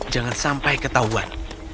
jangan sampai ketahuan